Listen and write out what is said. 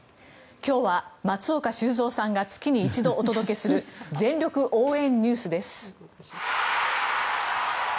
今日は松岡修造さんが月に１度お届けする全力応援ＮＥＷＳです。